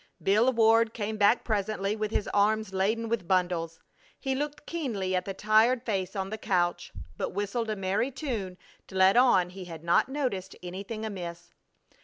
Bill Ward came back presently with his arms laden with bundles. He looked keenly at the tired face on the couch, but whistled a merry tune to let on he had not noticed anything amiss.